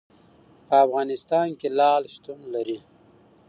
په افغانستان کې لعل شتون لري.